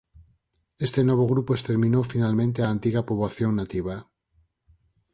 Este novo grupo exterminou finalmente á antiga poboación nativa.